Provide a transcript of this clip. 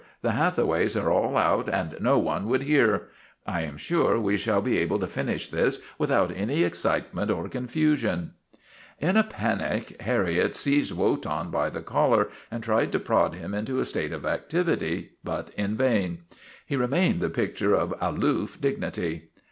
The Hathaways are all out and no one would hear. I am sure we shall be able to finish this without any excitement or confusion." 230 WOTAN, THE TERRIBLE In a panic Harriet seized Wotan by the collar and tried to prod him into a state of activity, but in vain. He remained the picture of aloof dignity.